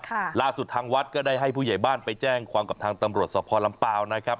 ล่าสุดทางวัดก็ได้ให้ผู้ใหญ่บ้านไปแจ้งความกับทางตำรวจสภลำเปล่านะครับ